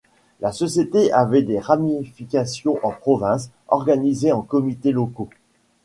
La Société avait des ramifications en province organisées en Comités locaux.